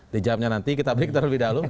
di jawabnya nanti kita beritahu lebih dahulu